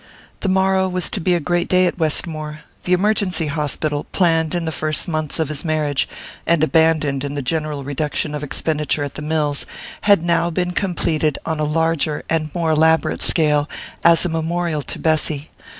The morrow was to be a great day at Westmore. The Emergency Hospital, planned in the first months of his marriage, and abandoned in the general reduction of expenditure at the mills, had now been completed on a larger and more elaborate scale, as a memorial to Bessy.